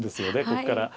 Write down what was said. ここから。